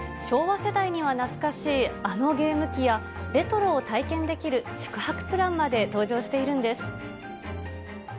昭和世代には懐かしい、あのゲーム機や、レトロを体験できる宿泊プランまで登場しているんです。